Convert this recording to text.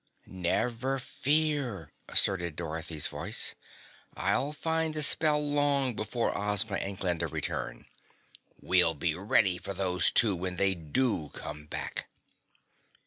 "Never fear," asserted Dorothy's voice. "I'll find the spell long before Ozma and Glinda return. We'll be ready for those two when they do come back!"